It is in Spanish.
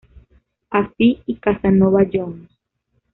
Afi y Casanova Jones.